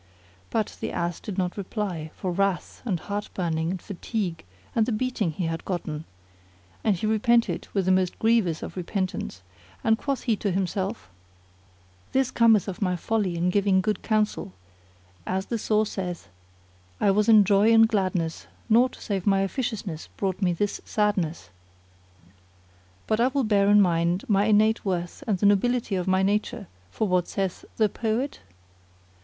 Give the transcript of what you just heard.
But the Ass returned no reply, for wrath and heart burning and fatigue and the beating he had gotten; and he repented with the most grievous of repentance; and quoth he to himself: "This cometh of my folly in giving good counsel; as the saw saith, I was in joy and gladness, nought save my officiousness brought me this sadness. But I will bear in mind my innate worth and the nobility of my nature; for what saith the poet?